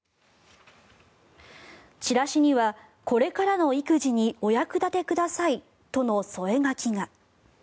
チラシにはこれからの育児にお役立てくださいとの添え書きが。